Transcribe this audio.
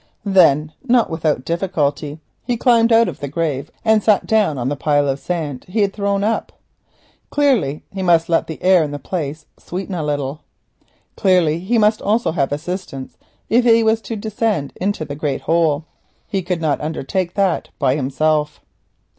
Then not without difficulty he climbed out of the grave and sat down on the pile of sand he had thrown up. Clearly he must allow the air in the place to sweeten a little. Clearly also he must have assistance if he was to descend into the great hole. He could not undertake this by himself.